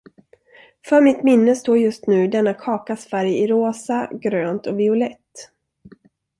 För mitt minne står just nu denna kakas färg i rosa, grönt och violett.